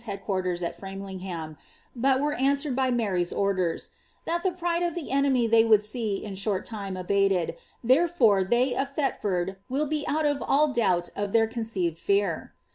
<iiinrtpra at Framliiighniiii but were answered by Mary's orders, " thai ilie jinde of the enemy ihey wootd see in short lime abated, therefore they uf Theiford will he aitl of oil douht of iheir coneeived fear."